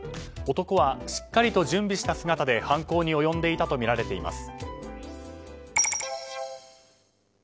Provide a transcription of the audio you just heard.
男は、しっかりと準備した姿で犯行に及んでいたとみられています。